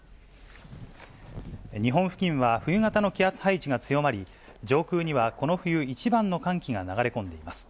日本付近は冬型の気圧配置が強まり、上空にはこの冬一番の寒気が流れ込んでいます。